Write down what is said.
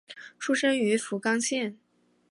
出身于福冈县。